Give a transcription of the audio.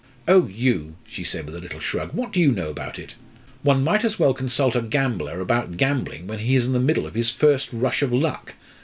"Oh, you!" she said, with a little shrug; "what do you know about it? One might as well consult a gambler about gambling when he is in the middle of his first rush of luck.